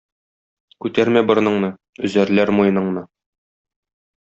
Күтәрмә борыныңны, өзәрләр муеныңны.